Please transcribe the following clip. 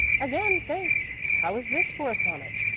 "Again thanks. How is this for a sonnet?"